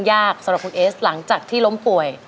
ยากสำหรับคุณเอสหลังจากที่ล้มป่วย